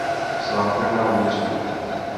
Svátek má Jiří.